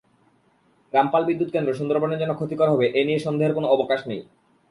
রামপাল বিদ্যুৎকেন্দ্র সুন্দরবনের জন্য ক্ষতিকর হবে—এ নিয়ে সন্দেহের কোনো অবকাশ নেই।